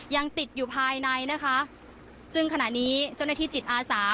ยังติดอยู่ภายในนะคะซึ่งขณะนี้เจ้าหน้าที่จิตอาสา